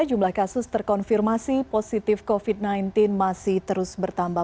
jumlah kasus terkonfirmasi positif covid sembilan belas masih terus bertambah